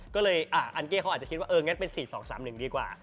ก็เลยอันเก้เขาอาจจะคิดว่าเอองั้นเป็น๔๒๓๑ดีกว่า